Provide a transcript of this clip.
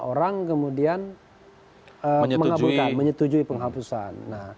orang kemudian menyetujui penghapusan